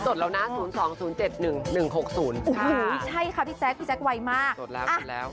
จะสดแล้วนะ๐๒๐๗๑๖๐ใช่ครับพี่แจ๊คพี่แจ๊คไวมากสดแล้ว